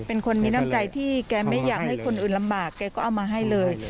เป็นคนมีน้ำใจที่แกไม่อยากให้คนอื่นลำบากแกก็เอามาให้เลย